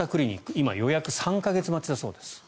今、予約が３か月待ちだそうです